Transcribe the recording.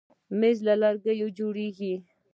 مېز له لرګي جوړېږي.